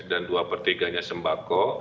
dan dua pertiganya sembako